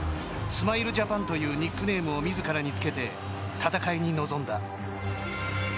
スマイルジャパンというニックネームをみずからにつけて戦いに臨んだ。